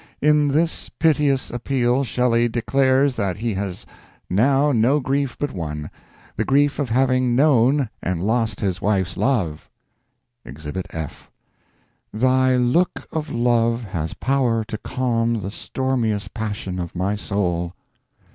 "In this piteous appeal Shelley declares that he has now no grief but one the grief of having known and lost his wife's love." Exhibit F "Thy look of love has power to calm The stormiest passion of my soul."